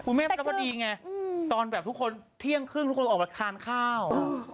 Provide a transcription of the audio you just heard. แม่แล้วก็ดีไงตอนแบบทุกคนเที่ยงครึ่งทุกคนออกมาทานข้าว